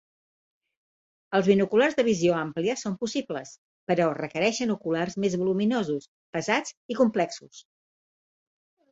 Els binoculars de visió àmplia són possibles, però requereixen oculars més voluminosos, pesats i complexos.